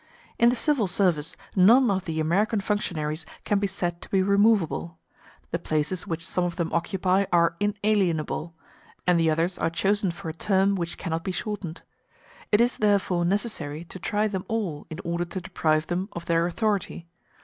In the civil service none of the American functionaries can be said to be removable; the places which some of them occupy are inalienable, and the others are chosen for a term which cannot be shortened. It is therefore necessary to try them all in order to deprive them of their authority.